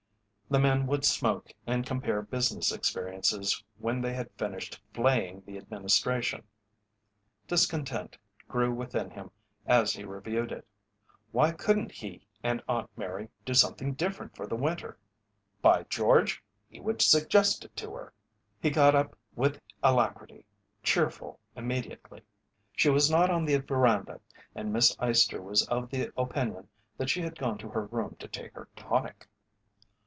The men would smoke and compare business experiences when they had finished flaying the Administration. Discontent grew within him as he reviewed it. Why couldn't he and Aunt Mary do something different for the winter? By George! he would suggest it to her! He got up with alacrity, cheerful immediately. She was not on the veranda and Miss Eyester was of the opinion that she had gone to her room to take her tonic.